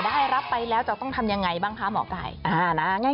ได้รับไปแล้วจะต้องทำยังไงบ้างคะหมอไก่